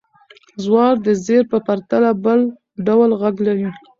زور د زېر په پرتله بل ډول غږ لري.